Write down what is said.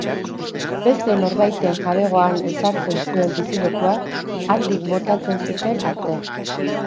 Beste norbaiten jabegoan ezartzen zuen bizilekua, handik botatzen zuten arte.